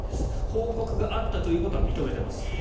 報告があったということは認めています。